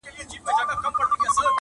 تور نصيب يې كړل په برخه دوږخونه--!